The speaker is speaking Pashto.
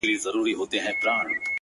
ته به په فکر وې!! چي څنگه خرابيږي ژوند!!